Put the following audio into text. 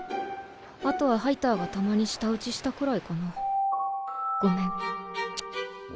あとはハイターがたまに舌打ちしたくらいかな。